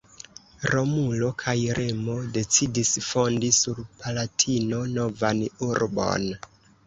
Romulo kaj Remo decidis fondi sur Palatino novan urbon.